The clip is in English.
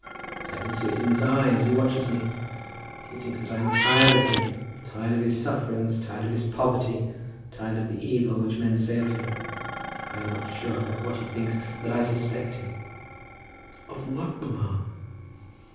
I can see it in his eye as he watches me. He thinks that I am tired of him, tired of his sufferings, tired of his poverty, tired of the evil which men say of him. I am not sure but what he thinks that I suspect him." "Of what, mamma?"